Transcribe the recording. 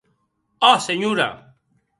Òc, senhora!